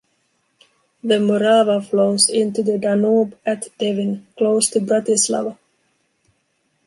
The Morava flows into the Danube at Devin, close to Bratislava.